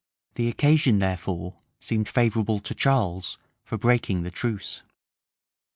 The occasion, therefore, seemed favorable to Charles for breaking the truce. {1449.